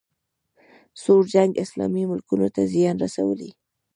سوړ جنګ اسلامي ملکونو ته زیان رسولی